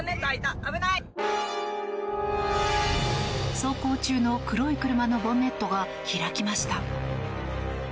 走行中の黒い車のボンネットが開きました。